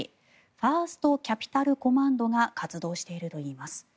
ファースト・キャピタル・コマンドが活動しているといいます。